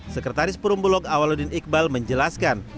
sekretaris perumbulok awaludin iqbal menjelaskan